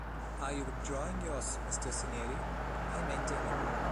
Are you withdrawing yours, Mr. Cinieri? I maintain it.